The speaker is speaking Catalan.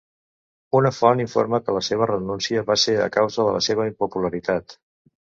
Una font informa que la seva renúncia va ser a causa de la seva impopularitat.